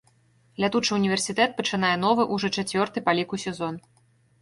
Лятучы ўніверсітэт пачынае новы, ужо чацвёрты па ліку сезон.